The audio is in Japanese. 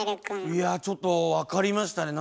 いやぁちょっと分かりましたね